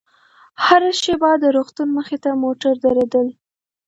هره شېبه د روغتون مخې ته موټر درېدل.